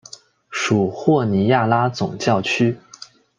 属霍尼亚拉总教区。